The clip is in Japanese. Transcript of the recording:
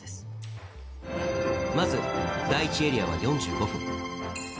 まず、第１エリアは４５分。